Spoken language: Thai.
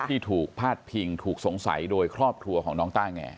ที่ถูกพาดพิงถูกสงสัยโดยครอบครัวของน้องต้าแง